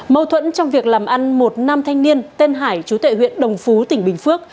mâu thuẫn trong việc làm ăn một nam thanh niên tên hải chú tệ huyện đồng phú tỉnh bình phước